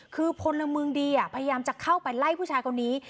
คือพลเมืองดีพยายามจะเข้าไปไล่ผู้ชายคนนี้